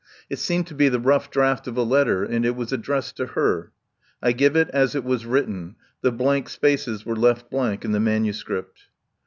It seemed to be the rough draft of a letter, and it was addressed to her. I give it as it was written ; the blank spaces were left blank in the manuscript.